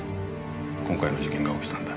今回の事件が起きたんだ